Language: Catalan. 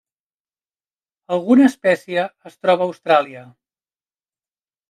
Alguna espècie es troba Austràlia.